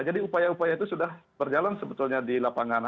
jadi upaya upaya itu sudah berjalan sebetulnya di lapangan